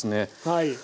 はい。